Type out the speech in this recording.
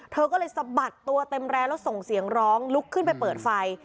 เธอก็เลยสะบัดตัวเต็มแรงแล้วส่งเสียงร้องลุกขึ้นไปเปิดไฟ